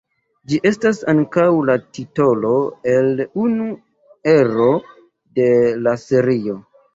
Ĝi estas ankaŭ la titolo el unu ero de la serio.